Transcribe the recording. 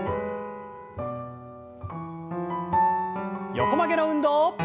横曲げの運動。